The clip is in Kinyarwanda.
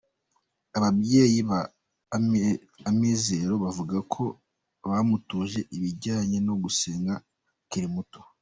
Ababyeyi ba Amizero bavuga ko bamutoje ibijyanye no gusenga akiri muto.